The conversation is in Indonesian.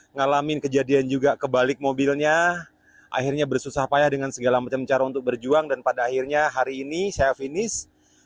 ngalamin kejadian juga kebalik mobilnya akhirnya bersusah payah dengan segala macam cara untuk berjuang dan pada akhirnya hari ini saya finish